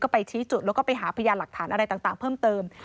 ไปชี้จุดแล้วก็ไปหาพยานหลักฐานอะไรต่างเพิ่มเติม